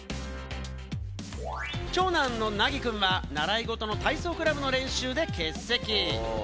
長男のなぎくんは、習い事の体操クラブの練習で欠席。